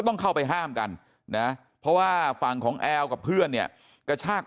ต้องเข้าไปห้ามกันนะเพราะว่าฝั่งของแอลกับเพื่อนเนี่ยกระชาก